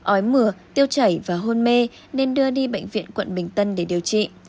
ói mừa tiêu chảy và hôn mê nên đưa đi bệnh viện quận bình tân để điều trị